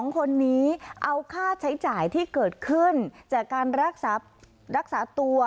๒คนนี้เอาค่าใช้จ่ายที่เกิดขึ้นจากการรักษารักษาตัว